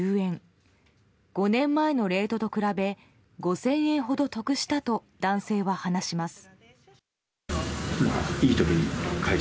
５年前のレートと比べ５０００円ほど得したと男性は話します。